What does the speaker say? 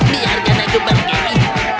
biar aku pergi